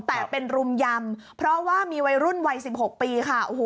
แต่เป็นรุมยำเพราะว่ามีวัยรุ่นวัย๑๖ปีค่ะ